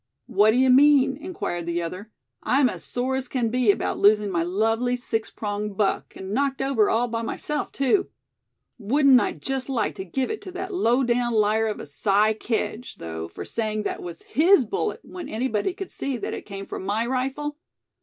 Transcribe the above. "What do you mean?" inquired the other. "I'm as sore as can be about losing my lovely six pronged buck, and knocked over all by myself, too. Wouldn't I just like to give it to that low down liar of a Si Kedge, though, for saying that was his bullet, when anybody could see that it came from my rifle?